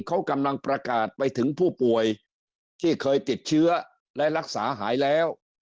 เขากำลังประกาศไปถึงผู้ป่วยที่เคยติดเชื้อและรักษาหายแล้ว